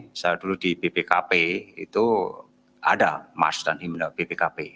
misalnya dulu di ppkp itu ada mars dan himne ppkp